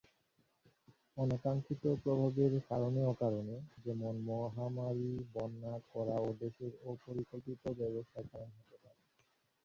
অনাকাঙ্ক্ষিত প্রভাবের কারনে-অকারনে যেমন মমহামারি, বন্যা, খরা ও দেশের অপরিকল্পিত ব্যাবসায় কারনে হতে পারে